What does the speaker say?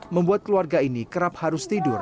membuat keluarga ini kerap harus tidur